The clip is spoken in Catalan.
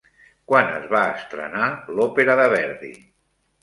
Quan es va estrenar l'òpera de Verdi?